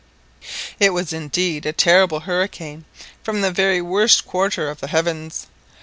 It was indeed a terrible hurricane from the very worst quarter of the heavens.